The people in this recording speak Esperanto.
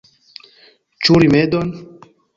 Ĉu rimedon?